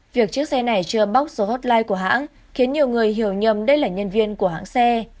việc chiếc xe này chưa bóc số hotline của hãng khiến nhiều người hiểu nhầm đây là nhân viên của hãng xe